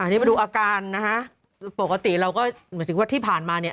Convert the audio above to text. นี่มาดูอาการนะฮะปกติเราก็หมายถึงว่าที่ผ่านมาเนี่ย